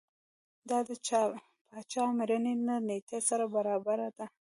دا د پاچا مړینې له نېټې سره برابره ده.